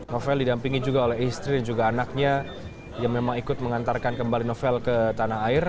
novel didampingi juga oleh istri dan juga anaknya yang memang ikut mengantarkan kembali novel ke tanah air